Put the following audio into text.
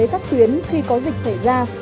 các tuyến khi có dịch xảy ra